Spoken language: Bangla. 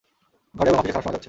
ঘরে এবং অফিসে খারাপ সময় যাচ্ছে।